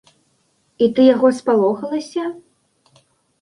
І ты яго спалохалася?